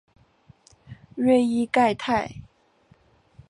瑞伊盖泰。